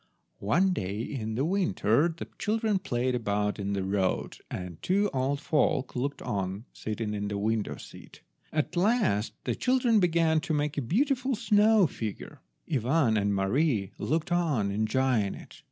One day, in the winter, the children played about in the road and the two old folk looked on, sitting in the window seat. At last the children began to make a beautiful snow figure. Ivan and Mary looked on enjoying it.